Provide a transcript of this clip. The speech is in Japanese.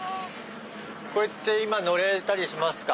これって今乗れますか？